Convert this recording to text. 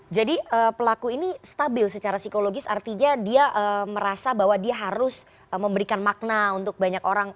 jadi pelaku ini stabil secara psikologis artinya dia merasa bahwa dia harus memberikan makna untuk banyak orang